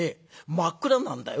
真っ暗なんだよ？